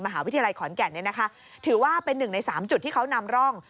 มหาวิทยาลัยขอนแก่นถือว่าเป็นหนึ่งใน๓จุดที่เขานำร่อง